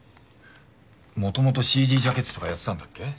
元々ＣＤジャケットとかやってたんだっけ？